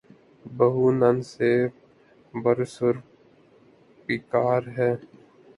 بہو نندوں سے برسر پیکار ہے۔